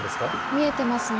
見えてますね。